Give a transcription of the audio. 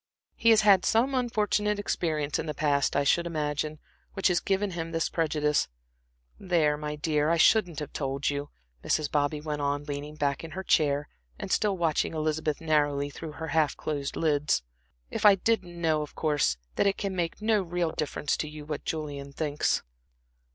He has had some unfortunate experience in the past, I should imagine, which has given him this prejudice. There, my dear, I shouldn't have told you," Mrs. Bobby went on, leaning back in her chair, and still watching Elizabeth narrowly through half closed lids, "if I didn't know, of course, that it can make no real difference to you what Julian thinks."